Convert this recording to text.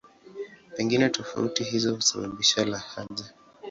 Pengine tofauti hizo husababisha lahaja.